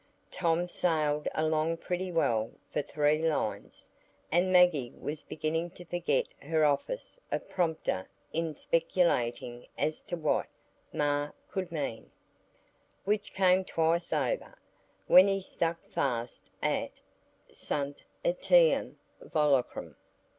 Tom sailed along pretty well for three lines; and Maggie was beginning to forget her office of prompter in speculating as to what mas could mean, which came twice over, when he stuck fast at Sunt etiam volucrum.